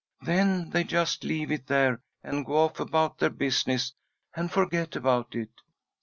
Then they just leave it there and go off about their business, and forget about it.